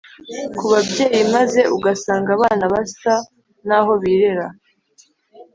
ku babyeyi maze ugasanga abana basa n’aho birera